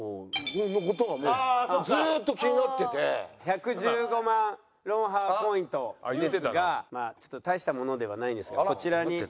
１１５万ロンハーポイントですがまあちょっと大したものではないんですけどこちらになります。